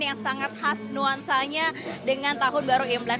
yang sangat khas nuansanya dengan tahun baru imlek